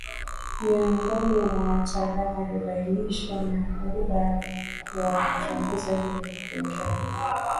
Miongoni mwa wataalamu waliobainishwa na Buberwa kuwa wamechunguza hivyo vipengele